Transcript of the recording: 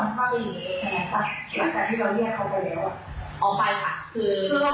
ที่บรอที่บรอเขาเหมือนกับจัง